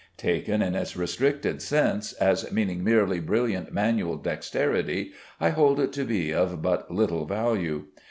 Taken in its restricted sense, as meaning merely brilliant manual dexterity, I hold it to be of but little value.